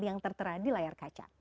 yang tertera di layar kaca